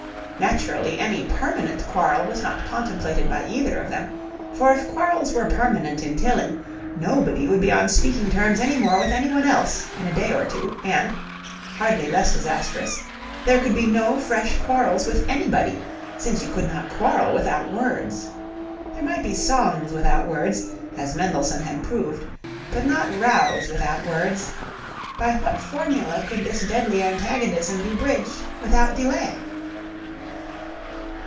Naturally any permanent quarrel was not contemplated by either of them, for if quarrels were permanent in Tilling, nobody would be on speaking terms any more with anyone else in a day or two, and (hardly less disastrous) there could be no fresh quarrels with anybody, since you could not quarrel without words. There might be songs without words, as Mendelssohn had proved, but not rows without words. By what formula could this deadly antagonism be bridged without delay?